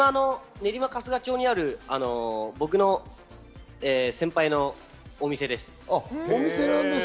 練馬春日町にある、僕の先輩のお店です。